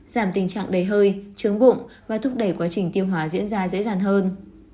giảm tình trạng đầy hơi chướng bụng và thúc đẩy quá trình tiêu hóa diễn ra dễ dàng hơn